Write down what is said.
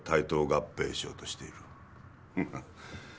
フフッ。